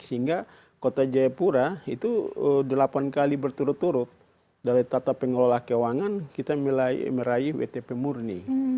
sehingga kota jayapura itu delapan kali berturut turut dari tata pengelola keuangan kita meraih wtp murni